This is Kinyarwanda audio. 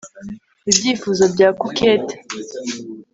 Ibyifuzo bya coquette